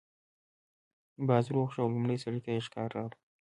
باز روغ شو او لومړي سړي ته یې شکار راوړ.